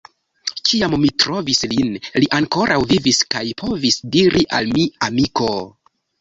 Kiam mi trovis lin, li ankoraŭ vivis kaj povis diri al mi: «Amiko...